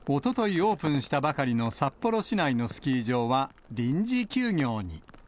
オープンしたばかりの札幌市内のスキー場は臨時休業に。